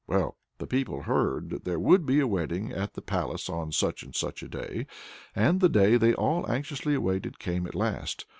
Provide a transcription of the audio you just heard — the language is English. Well, the people heard that there would be a wedding at the palace on such and such a day. And the day they all anxiously awaited came at last.